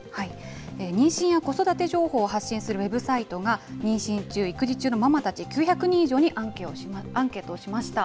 妊娠や子育て情報を発信するウェブサイトが、妊娠中、育児中のママたち９００人以上にアンケートをしました。